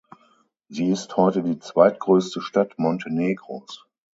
Sie ist heute die zweitgrößte Stadt Montenegros.